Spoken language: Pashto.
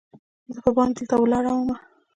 زه په بام درته ولاړه وم